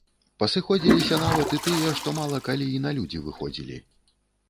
Пасыходзіліся нават і тыя, што мала калі і на людзі выходзілі.